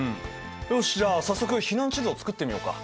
よしじゃあ早速避難地図を作ってみようか。